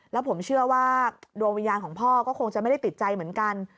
แล้วผมเชื่อว่าดวงวิญญาณของพ่อก็คงจะไม่ได้ติดใจเหมือนกัน